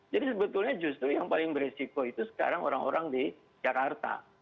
jadi sebetulnya justru yang paling beresiko itu sekarang orang orang di jakarta